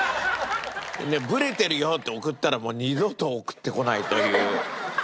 「ブレてるよ」って送ったらもう二度と送ってこないという。